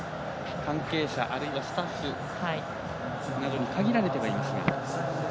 関係者あるいはスタッフなどに限られてはいますが。